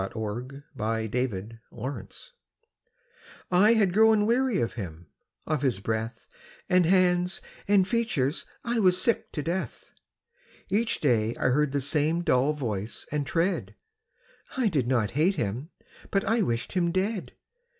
THOU SHALT NOT KILL I had grown weary of him; of his breath And hands and features I was sick to death. Each day I heard the same dull voice and tread; I did not hate him: but I wished him dead.